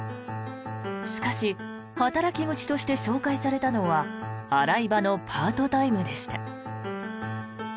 しかし働き口として紹介されたのは洗い場のパートタイムでした。